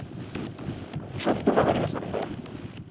ちょっと曲がりましたね。